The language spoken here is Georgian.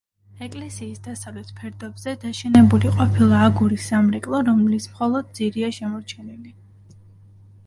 ეკლესიის დასავლეთ ფერდობზე დაშენებული ყოფილა აგურის სამრეკლო, რომლის მხოლოდ ძირია შემორჩენილი.